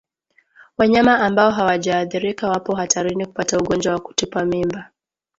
Wanyama ambao hawajaathirika wapo hatarini kupata ugonjwa wa kutupa mimba